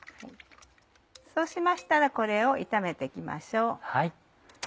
そうしましたらこれを炒めて行きましょう。